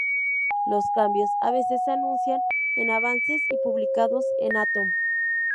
Los cambios, a veces, se anuncian en avances y publicados en Atom.